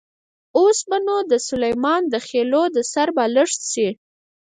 اوس به نو د سلیمان خېلو د سر بالښت شي.